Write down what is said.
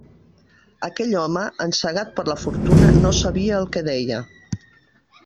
Aquell home, encegat per la fortuna, no sabia el que deia.